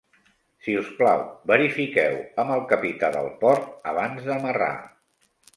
Si us plau, verifiqueu amb el capità del port abans d'amarrar.